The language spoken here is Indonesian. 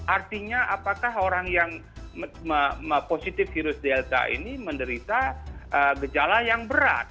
artinya apakah orang yang positif virus delta ini menderita gejala yang berat